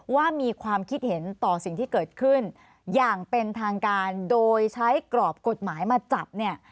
ว่ามีความคิดเห็นต่อสิ่งที่เกิดขึ้นอย่างเป็นทางการโดยใช้กรอบกฎหมายมาจับเนี่ย